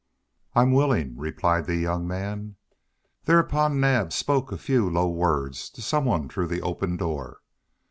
"I'm willing," replied the young man. Thereupon Naab spoke a few low words to some one through the open door.